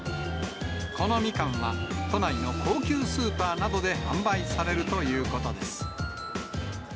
このみかんは、都内の高級スーパーなどで販売されるということです。